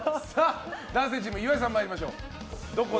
男性チーム岩井さん参りましょう。